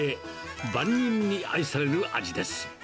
万人に愛される味です。